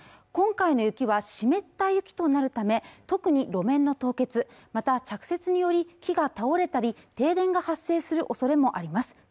今回の雪は湿った雪となるため特に路面の凍結また着雪により木が倒れたり停電が発生するおそれもあります